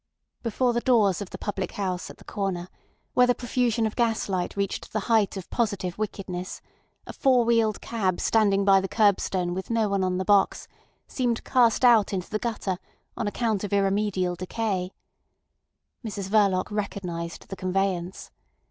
Before the doors of the public house at the corner, where the profusion of gas light reached the height of positive wickedness, a four wheeled cab standing by the curbstone with no one on the box, seemed cast out into the gutter on account of irremediable decay. Mrs Verloc recognised the conveyance.